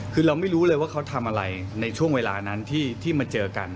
คือเราไม่รู้เลยว่าเขาทำอะไรในช่วงเวลานั้นที่มาเจอกัน